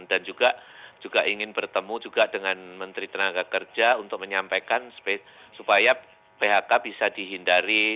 dan juga ingin bertemu dengan menteri tenaga kerja untuk menyampaikan supaya phk bisa dihindari